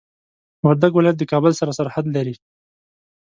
وردګ ولايت د کابل سره سرحد لري.